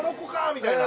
みたいな。